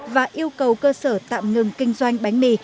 và yêu cầu cơ sở tạm ngừng kinh doanh bánh mì